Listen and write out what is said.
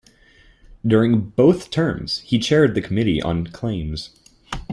During both terms, he chaired the Committee on Claims.